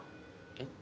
えっ？